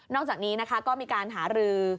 นอกจากนี้ก็มีการหารือ